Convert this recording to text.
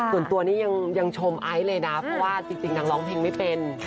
ส่วนตัวนี้ยังชมไอซ์เลยนะเพราะว่าจริงนางร้องเพลงไม่เป็น